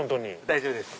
大丈夫です。